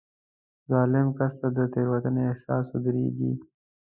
ظالم کس ته د تېروتنې احساس ودرېږي.